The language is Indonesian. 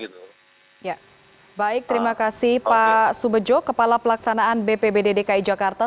terima kasih pak subedjo kepala pelaksanaan bpbd dki jakarta